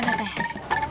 di mana peh